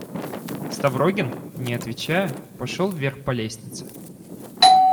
Ставрогин, не отвечая, пошел вверх по лестнице.